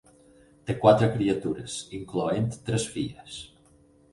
Té quatre criatures, incloent tres filles.